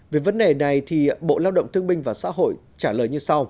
về vấn đề này thì bộ lao động thương binh và xã hội trả lời như sau